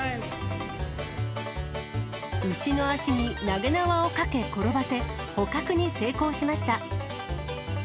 牛の足に投げ縄をかけ転ばせ、捕獲に成功しました。